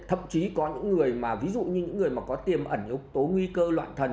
thậm chí có những người mà ví dụ như những người mà có tiềm ẩn yếu tố nguy cơ loạn thần